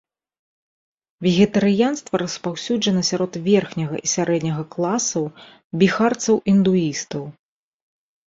Вегетарыянства распаўсюджана сярод верхняга і сярэдняга класаў біхарцаў-індуістаў.